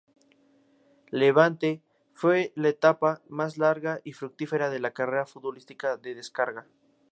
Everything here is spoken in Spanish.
Levante fue la etapa más larga y fructífera de la carrera futbolística de Descarga.